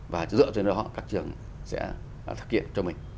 và dựa trên đó các trường sẽ thực hiện cho mình